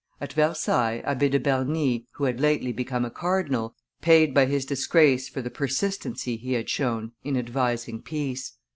At Versailles, Abbe de Bernis, who had lately become a cardinal, paid by his disgrace for the persistency he had shown in advising peace.